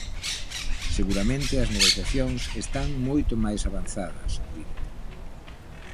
"Seguramente as negociacións están moito máis avanzadas", advirte.